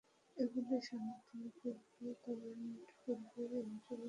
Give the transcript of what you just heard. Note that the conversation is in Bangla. এগুলির সাংগঠনিক রূপ এবং কর্মকান্ড পূর্বের আঞ্জুমানের সঙ্গে অভিন্ন ছিল।